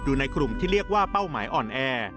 อยู่ในกลุ่มที่เรียกว่าเป้าหมายอ่อนแอ